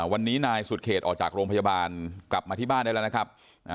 วันนี้นายสุดเขตออกจากโรงพยาบาลกลับมาที่บ้านได้แล้วนะครับ